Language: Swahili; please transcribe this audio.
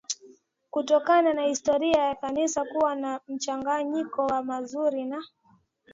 kutokana na historia ya Kanisa kuwa na mchanganyiko wa mazuri na